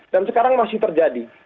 dan sekarang masih terjadi